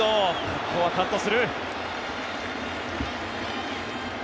ここはカットする。